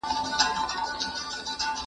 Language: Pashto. حقوقپوهانو به د هر فرد خوندیتوب باوري کوی.